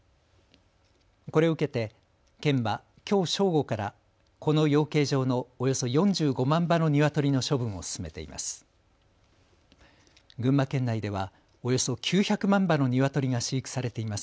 これを受けて県はきょう正午からこの養鶏場のおよそ４５万羽のニワトリの処分を進めています。